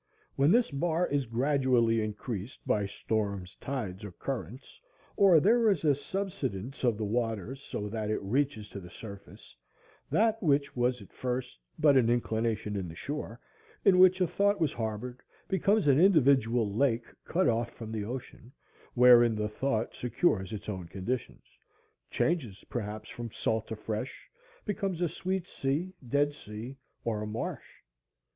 When this bar is gradually increased by storms, tides, or currents, or there is a subsidence of the waters, so that it reaches to the surface, that which was at first but an inclination in the shore in which a thought was harbored becomes an individual lake, cut off from the ocean, wherein the thought secures its own conditions, changes, perhaps, from salt to fresh, becomes a sweet sea, dead sea, or a marsh.